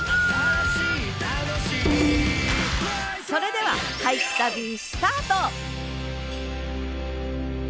それでは俳句旅スタート！